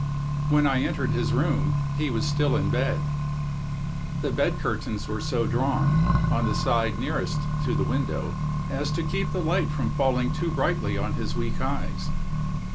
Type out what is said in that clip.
When I entered his room, he was still in bed. The bed curtains were so drawn, on the side nearest to the window, as to keep the light from falling too brightly on his weak eyes.